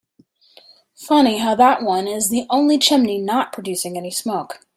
Funny how that one is the only chimney not producing any smoke.